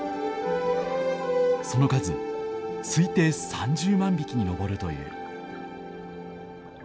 その数推定３０万匹に上るという。